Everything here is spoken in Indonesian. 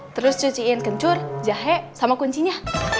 terus cuciin kencur jahe sama kuncinya